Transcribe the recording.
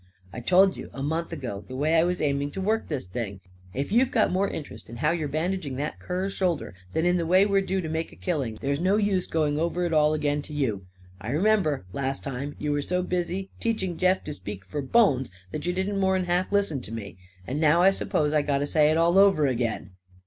I told you, a month ago, the way I was aiming to work this thing. If you've got more int'rest in how you're bandaging that cur's shoulder than in the way we're due to make a killing, there's no use going over it all again to you. I remember, last time, you were so busy teaching Jeff to speak for bones that you didn't more'n half listen to me. And now I s'pose I got to say it all over again."